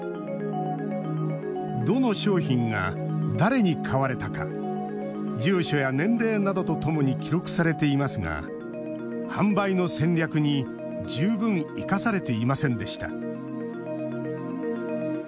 どの商品が誰に買われたか住所や年齢などとともに記録されていますが販売の戦略に十分、生かされていませんでした。